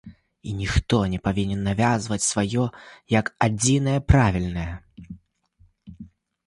І ніхто не павінен навязваць сваё як адзінае правільнае.